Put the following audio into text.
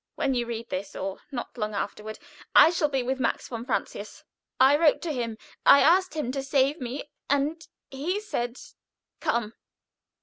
When you read this, or not long afterward, I shall be with Max von Francius. I wrote to him I asked him to save me, and he said, 'Come!'